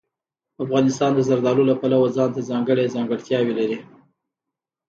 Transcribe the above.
افغانستان د زردالو له پلوه ځانته ځانګړې ځانګړتیاوې لري.